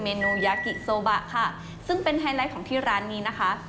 นูยากิโซบะค่ะซึ่งเป็นไฮไลท์ของที่ร้านนี้นะคะ